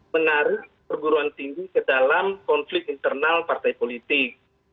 menarik perguruan tinggi ke dalam konflik internal partai politik